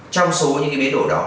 trong số những cái biến đổi đó